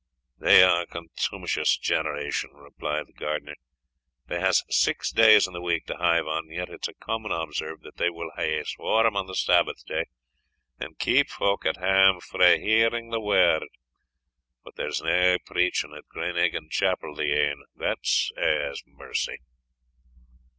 "They are a contumacious generation," replied the gardener; "they hae sax days in the week to hive on, and yet it's a common observe that they will aye swarm on the Sabbath day, and keep folk at hame frae hearing the word But there's nae preaching at Graneagain chapel the e'en that's aye ae mercy."